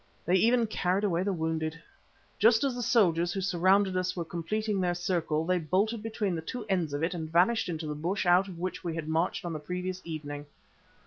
They even carried away the wounded. Just as the soldiers who surrounded us were completing their circle they bolted between the two ends of it and vanished into the bush out of which we had marched on the previous evening.